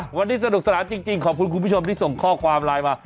วันนี้สนุกสนานจริงขอบคุณคุณผู้ชมที่ส่งข้อความไลน์มา